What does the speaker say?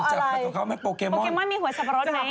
ร้อนจับเขาแม่งโปเคมอนมีหัวสับปะรดไหม